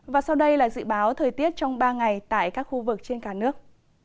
và sau đây là dự báo thời tiết trong ba ngày tại các khu vực trên cả nước